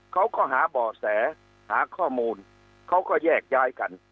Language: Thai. เขาก็หาบ่อแสหาข้อมูลเขาก็แยกย้ายกัน